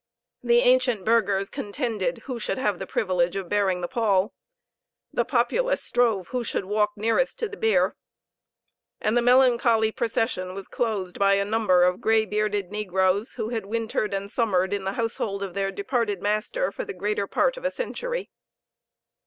The ancient burghers contended who should have the privilege of bearing the pall; the populace strove who should walk nearest to the bier, and the melancholy procession was closed by a number of gray bearded negroes, who had wintered and summered in the household of their departed master for the greater part of a century.